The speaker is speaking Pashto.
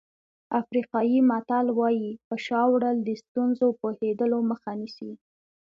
افریقایي متل وایي په شا وړل د ستونزو پوهېدلو مخه نیسي.